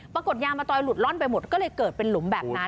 ปรากฏยางมะตอยหลุดล่อนไปหมดก็เลยเกิดเป็นหลุมแบบนั้น